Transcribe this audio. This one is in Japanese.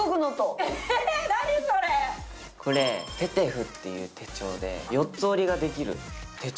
これＴＥＴＥＦＵっていう手帳で四つ折りができる手帳